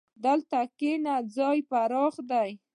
دلته کښېنه، ځای پراخ دی.